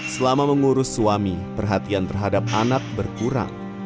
selama mengurus suami perhatian terhadap anak berkurang